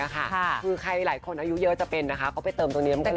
คือหลายคนอายุเยอะจะเป็นไปเติมโดนนี้